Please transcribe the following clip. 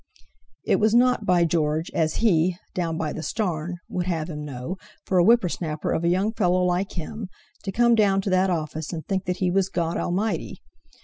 It was not—by George—as he (Down by the starn) would have him know, for a whippersnapper of a young fellow like him, to come down to that office, and think that he was God Almighty.